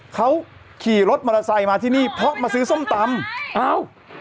เขาขี่รถมอเตอร์ไซค์มาที่นี่เพราะมาซื้อส้มตำอ้าว